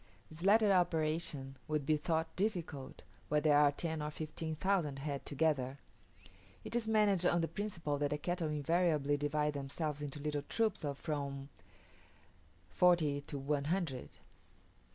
This latter operation would be thought difficult, where there are ten or fifteen thousand head together. It is managed on the principle that the cattle invariably divide themselves into little troops of from forty to one hundred.